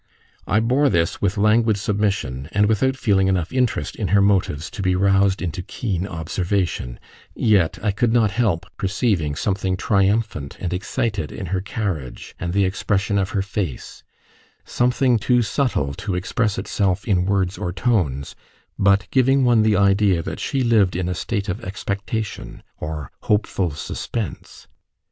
I bore this with languid submission, and without feeling enough interest in her motives to be roused into keen observation; yet I could not help perceiving something triumphant and excited in her carriage and the expression of her face something too subtle to express itself in words or tones, but giving one the idea that she lived in a state of expectation or hopeful suspense.